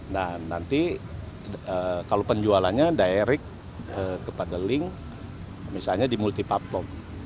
nah nanti kalau penjualannya direct kepada link misalnya di multi pappom